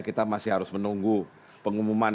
kita masih harus menunggu pengumuman